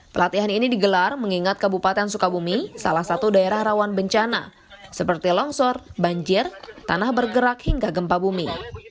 pelatihan ini digelar mengingat kabupaten sukabumi salah satu daerah rawan bencana seperti longsor banjir tanah bergerak hingga gempa bumi